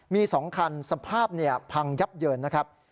มี๒คันสภาพพังยับเยินนะครับ